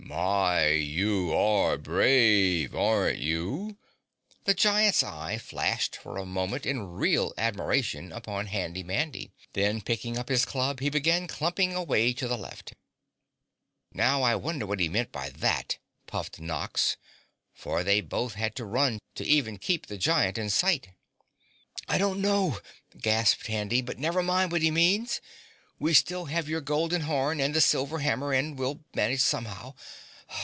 "My, you are brave, aren't you?" The Giant's eye flashed for a moment in real admiration upon Handy Mandy, then, picking up his club, he began clumping away to the left. "Now I wonder what he meant by that?" puffed Nox, for they both had to run to even keep the Giant in sight. "I don't know," gasped Handy, "but never mind what he means. We still have your golden horn and the silver hammer and will manage somehow.